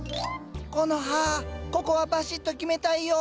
コノハここはバシッと決めたいよ。